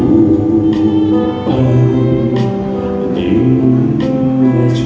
อุปัญห์ยิ้มมาช่วย